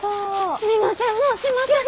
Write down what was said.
すみません！